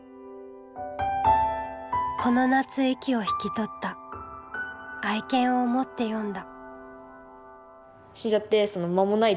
この夏息を引き取った愛犬を思って詠んだ。